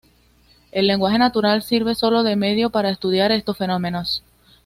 El lenguaje natural sirve solo de medio para estudiar estos fenómenos.